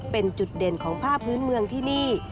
เป็นจุดเด่นของผ้าพื้นเมืองที่นี่